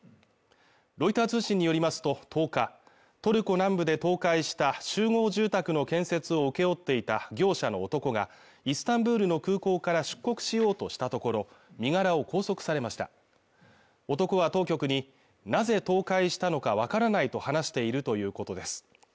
ロイター通信によりますと１０日トルコ南部で倒壊した集合住宅の建設を請け負っていた業者の男がイスタンブールの空港から出国しようとしたところ身柄を拘束されました男は当局になぜ倒壊したのか分からないと話しているということです